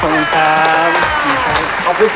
ขอบคุณมากครับ